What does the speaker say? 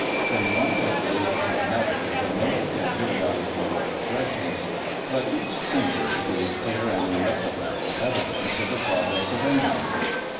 From one decade to another there may have been periodical retrogressions, but each century gave clear and irrefragable evidence of the progress of England.